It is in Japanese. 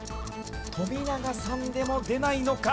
富永さんでも出ないのか？